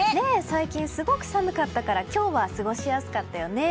最近すごく寒かったから今日は過ごしやすかったよね。